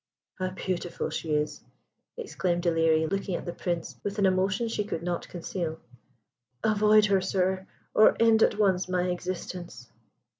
"How beautiful she is!" exclaimed Ilerie, looking at the Prince with an emotion she could not conceal. "Avoid her, sir, or end at once my existence."